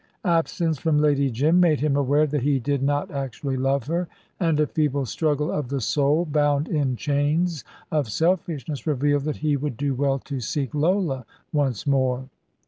Absence from Lady Jim made him aware that he did not actually love her, and a feeble struggle of the soul bound in chains of selfishness revealed that he would do well to seek Lola once more.